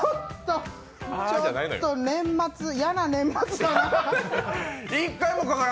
ちょっと、嫌な年末だな。